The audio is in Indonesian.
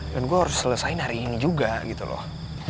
dan gue harus selesain hari ini juga gitu loh